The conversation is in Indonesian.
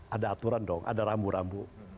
ada aturan dong ada rambu rambu